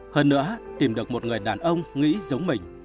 hơn nữa tìm được một người đàn ông nghĩ giống mình